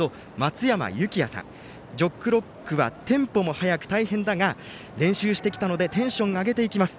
「ジョックロック」はテンポも速く大変だが練習してきたのでテンションを上げていきます。